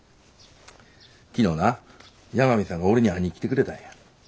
昨日な八神さんが俺に会いに来てくれたんや。